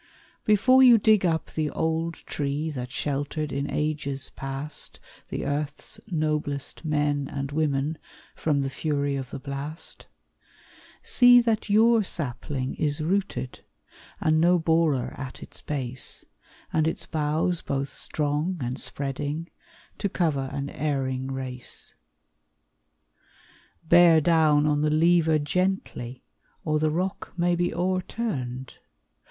Before you dig up the old tree That sheltered in ages past The earth's noblest men and women From the fury of the blast, See that your sapling is rooted, And no borer at its base, And its boughs both strong and spreading, To cover an erring race. Bear down on the lever gently, Or the rock may be o'erturned!